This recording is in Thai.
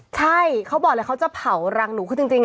ใช่เขาบอกเลยเขาจะเผารังหนู